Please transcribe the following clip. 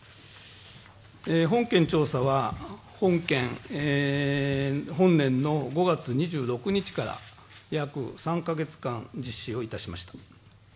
本件調査は、本年の５月２６日から約３か月間、実施をいたしました。